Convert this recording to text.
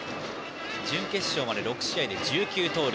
準決勝まで６試合で１９盗塁。